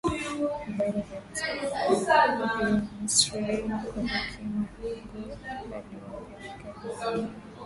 ibada za kipagani za Misri Kwa Hekima ya Mungu aliwapeleka jangwani ili awafundishe tena